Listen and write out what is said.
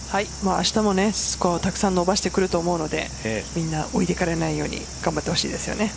明日もスコアをたくさん伸ばしてくると思うのでみんな、置いていかれないように頑張ってほしいですね。